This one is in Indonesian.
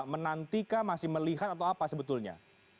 menanti kah masih melihat atau apa sebetulnya